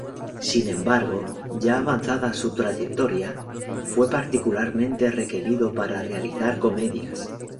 Sin embargo, ya avanzada su trayectoria, fue particularmente requerido para realizar comedias.